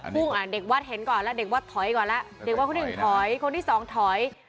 เด็กวัดเห็นก่อนแล้วเด็กวัดถอยก่อนแล้วเด็กวัดคนหนึ่งถอยคนที่สองถอย